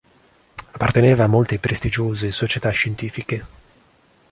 Apparteneva a molte prestigiose società scientifiche.